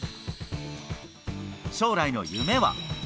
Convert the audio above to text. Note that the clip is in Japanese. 将来の夢は。